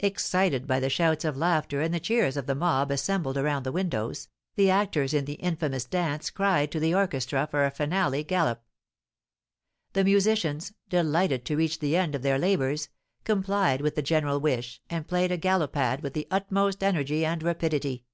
Excited by the shouts of laughter and the cheers of the mob assembled around the windows, the actors in the infamous dance cried to the orchestra for a finale galop. The musicians, delighted to reach the end of their labours, complied with the general wish, and played a galoppade with the utmost energy and rapidity.